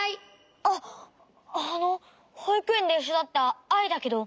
あっあのほいくえんでいっしょだったアイだけど。